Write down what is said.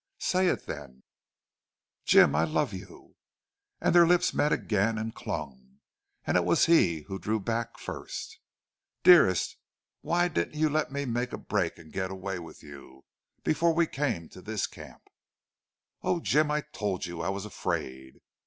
"Say it, then." "Jim, I love you!" And their lips met again and clung, and it was he who drew back first. "Dearest, why didn't you let me make a break to get away with you before we came to this camp?" "Oh, Jim, I told you. I was afraid.